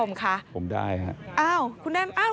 มีความว่ายังไง